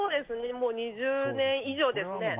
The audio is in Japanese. もう２０年以上ですね。